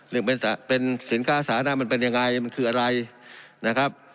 หนึ่งเป็นสินค้าสาธารณะมันเป็นยังไงมันคืออะไรนะครับ